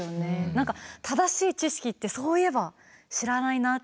何か正しい知識ってそういえば知らないなって。